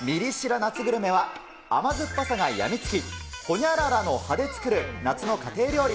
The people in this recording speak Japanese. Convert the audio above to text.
夏グルメは、甘酸っぱさが病みつき、ほにゃららの葉で作る夏の家庭料理。